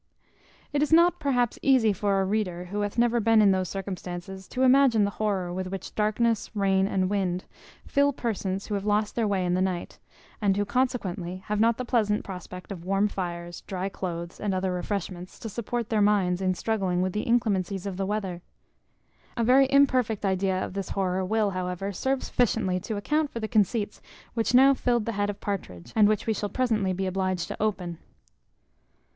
It is not, perhaps, easy for a reader, who hath never been in those circumstances, to imagine the horror with which darkness, rain, and wind, fill persons who have lost their way in the night; and who, consequently, have not the pleasant prospect of warm fires, dry cloaths, and other refreshments, to support their minds in struggling with the inclemencies of the weather. A very imperfect idea of this horror will, however, serve sufficiently to account for the conceits which now filled the head of Partridge, and which we shall presently be obliged to open.